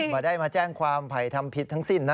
ไม่ได้มาแจ้งความไผ่ทำผิดทั้งสิ้นนะ